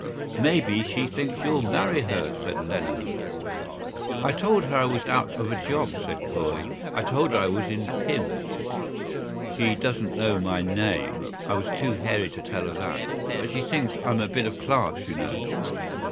"Maybe she thinks you'll marry her," said Lenehan. "I told her I was out of a job," said Corley. "I told her I was in Pim's. She doesn't know my name. I was too hairy to tell her that. But she thinks I'm a bit of class, you know."